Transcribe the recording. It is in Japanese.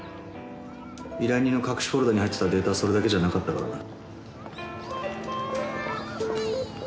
依頼人の隠しフォルダに入ってたデータはそれだけじゃなかったからな。